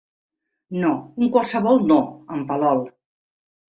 No, un qualsevol no, en Palol.